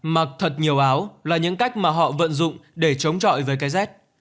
mặc thật nhiều áo là những cách mà họ vận dụng để chống chọi với cái rét